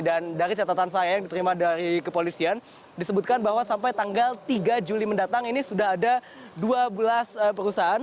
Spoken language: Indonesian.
dan dari catatan saya yang diterima dari kepolisian disebutkan bahwa sampai tanggal tiga juli mendatang ini sudah ada dua belas perusahaan